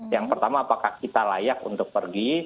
yang pertama apakah kita layak untuk pergi